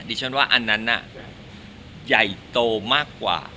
ดิฉันว่าอันนั้นใหญ่โตมากกว่า